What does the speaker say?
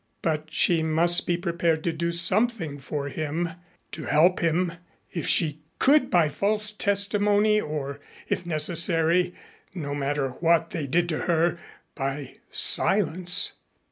But she must be prepared to do something for him, to help him, if she could by false testimony or if necessary, no matter what they did to her, by silence.